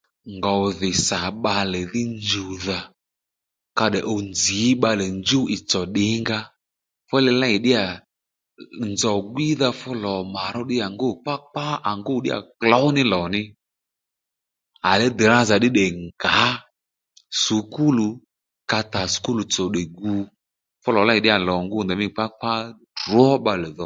Ngòw dhì sà bbalè dhí njuwdha ka tdè uw nzǐ í bbalè njúw ì tsò ddǐnga ó fú ddiy ley ddí ya nzòw gwídha fú lò mà ró ddí yà ngû kpákpá à ngû ddí ya klǒní lò ní mà dhí dhìrázà ddí tdè ngǎ skulu ka tà skul tsò tdè gu fú lò ley ddí yà lò ngû kpákpá ddrǒ bbalè dho